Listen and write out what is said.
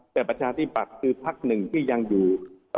แต่ประชาธิปัตย์คือพักหนึ่งที่ยังอยู่